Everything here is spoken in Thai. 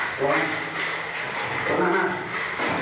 สิหนึ่งเอนส์ล้อเล่น